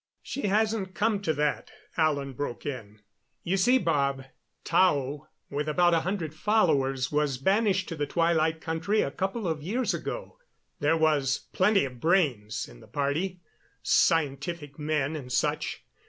"She hasn't come to that," Alan broke in. "You see, Bob, Tao, with about a hundred followers, was banished to the Twilight Country a couple of years ago. There was plenty of brains in the party, scientific men and such.